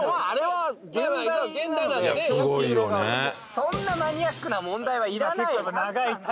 そんなマニアックな問題はいらないよ。